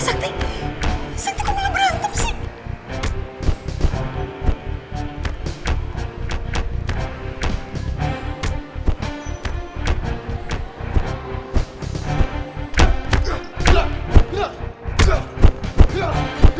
sakti kau malah berantem sih